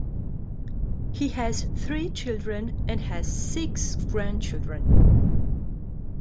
He has three children and has six grandchildren.